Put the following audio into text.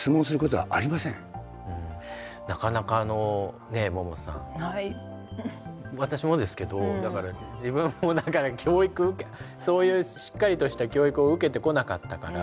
なかなかねえももさん私もですけど自分も教育をそういうしっかりとした教育を受けてこなかったから。